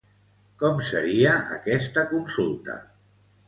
Com seria aquesta consulta?